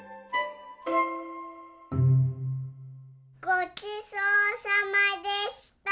ごちそうさまでした。